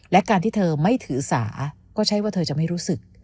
และการที่เธอไม่ถือสาก็ใช่ว่าเธอจะไม่รู้สึก